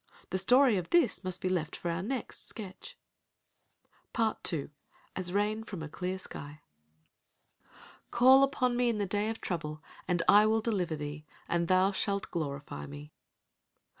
The story of this must be left for our next sketch. *Part II. AS RAIN FROM A CLEAR SKY.* "Call upon me in the day of trouble and I will deliver thee, and thou shalt glorify me."